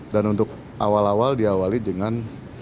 dan untuk awal awal diawali dengan